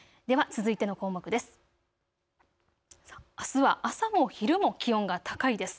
では続いての項目です。